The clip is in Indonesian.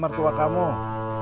jadi udah sampai